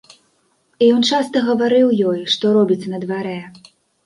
І ён часта гаварыў ёй, што робіцца на дварэ.